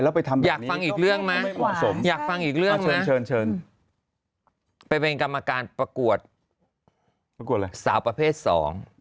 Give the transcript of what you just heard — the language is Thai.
สาวประเภทสอง